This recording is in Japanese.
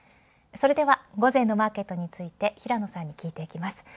それでは午前のマーケットについて平野さんに聞いていきます。